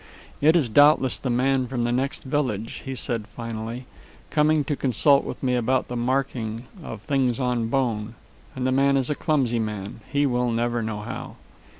"It is doubtless the man from the next village," he said finally, "come to consult with me about the marking of things on bone. And the man is a clumsy man. He will never know how."